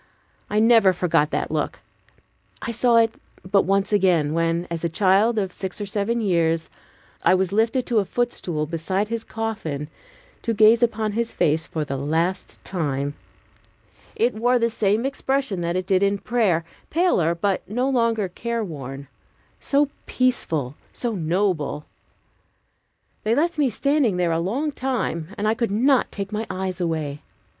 I never forgot that look. I saw it but once again, when, a child of six or seven years, I was lifted to a footstool beside his coffin to gaze upon his face for the last time. It wore the same expression that it did in prayer; paler, but no longer care worn; so peaceful, so noble! They left me standing there a long time, and I could not take my eyes away.